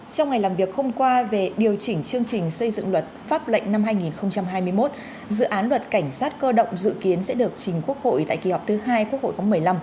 trong ngày làm việc hôm qua về điều chỉnh chương trình xây dựng luật pháp lệnh năm hai nghìn hai mươi một dự án luật cảnh sát cơ động dự kiến sẽ được trình quốc hội tại kỳ họp thứ hai quốc hội khóa một mươi năm